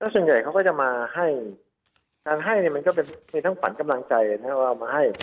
ส่วนใหญ่เขาก็จะมาให้การให้มันก็เป็นทั้งฝันกำลังใจ